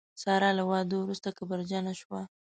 ساره له واده وروسته کبرجنه شوه.